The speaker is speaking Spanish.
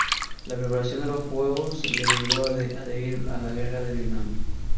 La preparación de los Juegos le libró de ir a la Guerra de Vietnam.